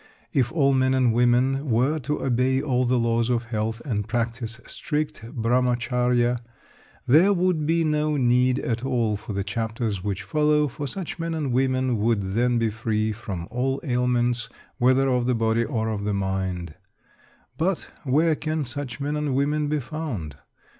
If all men and women were to obey all the laws of health, and practice strict Brahmacharya, there would be no need at all for the chapters which follow, for such men and women would then be free from all ailments, whether of the body or of the mind. But where can such men and women be found?